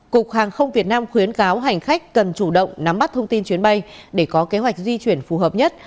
cục hàng không việt nam khuyến cáo hành khách cần chủ động nắm bắt thông tin chuyến bay để có kế hoạch di chuyển phù hợp nhất